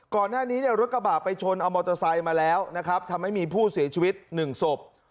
ก่อนหน้านี้รถกระบะไปชนเอามอเตอร์ไซค์มาแล้วทำให้มีผู้เสียชีวิต๑ศพ